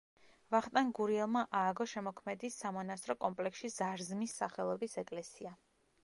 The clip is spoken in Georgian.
ვახტანგ გურიელმა ააგო შემოქმედის სამონასტრო კომპლექსში ზარზმის სახელობის ეკლესია.